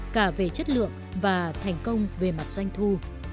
cả về chất lượng và thành công về mặt doanh thu